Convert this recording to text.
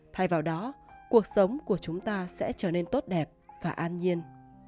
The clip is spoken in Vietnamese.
thay vào đó cuộc sống của chúng ta sẽ trở nên tốt đẹp và an nhiên